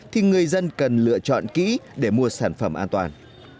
thì người dân cần lựa chọn kỹ để mua sản phẩm an toàn